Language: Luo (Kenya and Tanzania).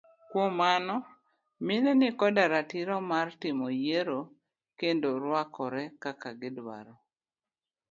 Kuom mano mine nikoda ratiro mar timo yiero kendo ruakore kaka gi dwaro.